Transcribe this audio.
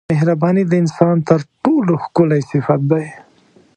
مهرباني د انسان تر ټولو ښکلی صفت دی.